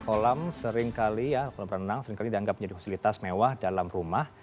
kolam seringkali ya kolam renang seringkali dianggap menjadi fasilitas mewah dalam rumah